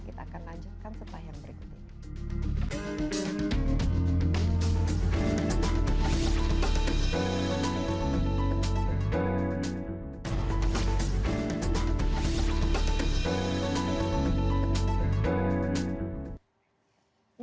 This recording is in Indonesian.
kita akan lanjutkan setelah yang berikut ini